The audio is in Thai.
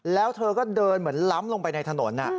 แล้วเธอก็เดินเหมือนล้ำลงไปในถนน